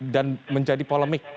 dan menjadi polemik